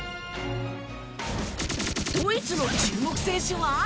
ドイツの注目選手は？